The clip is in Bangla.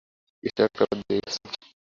কিছু একটা বাদ দিয়ে গেছ।